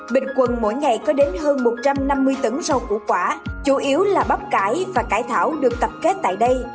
bình quân mỗi ngày có đến hơn một trăm năm mươi tấn rau củ quả chủ yếu là bắp cải và cải thảo được tập kết tại đây